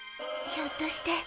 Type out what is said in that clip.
ひょっとして。